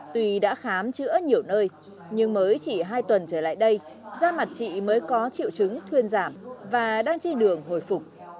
tuy đã khám chữa nhiều nơi nhưng mới chỉ hai tuần trở lại đây da mặt chị mới có triệu chứng thuyên giảm và đang trên đường hồi phục